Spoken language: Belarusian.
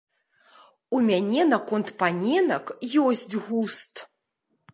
У мяне наконт паненак ёсць густ.